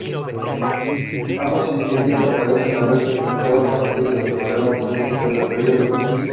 Ambas iniciativas parecen haberse frustrado a partir de los problemas políticos del período.